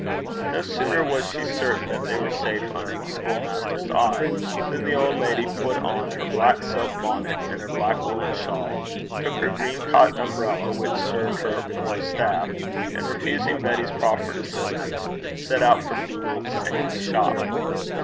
No sooner was she certain that they were safe under the school master's eye than the old lady put on her black silk bonnet and her black woollen shawl, took her green cotton umbrella, which served her for a staff, and, refusing Betty's proffered assistance, set out for Dooble Sanny's shop.